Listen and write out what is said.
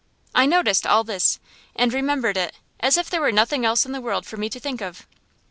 I noticed all this and remembered it, as if there were nothing else in the world for me to think of.